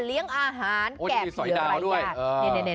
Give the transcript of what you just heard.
เลี้ยงอาหารแก่เพียงอะไรค่ะ